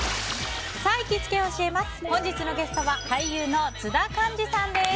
本日のゲストは俳優の津田寛治さんです。